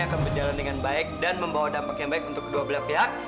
akan berjalan dengan baik dan membawa dampak yang baik untuk kedua belah pihak